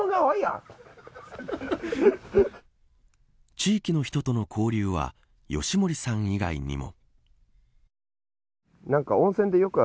地域の人との交流は義守さん以外にも。